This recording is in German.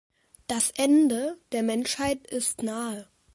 Das Ende der Menschheit ist nahe.